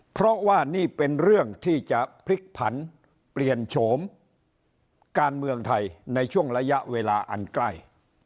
เพราะว่านี่เป็นเรื่องที่จะพลิกผันเปลี่ยนโฉมการเมืองไทยในช่วงระยะเวลาอันใกล้